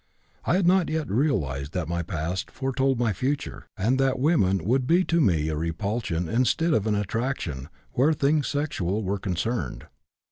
I had not yet realized that my past foretold my future, and that women would be to me a repulsion instead of an attraction where things sexual were concerned.